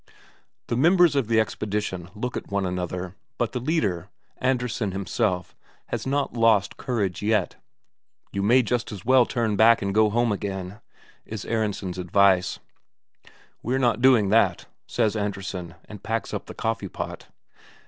The members of the expedition look at one another, but the leader, Andresen himself, has not lost courage yet. "You may just as well turn back and go home again," is Aronsen's advice. "We're not doing that," says Andresen, and packs up the coffee pot.